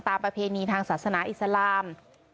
ประเพณีทางศาสนาอิสลาม